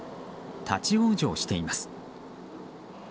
立ち往生しています。